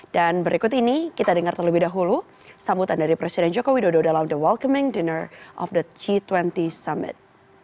dan berikut ini kita dengar terlebih dahulu sambutan dari presiden joko widodo dalam the welcoming dinner of the g dua puluh summit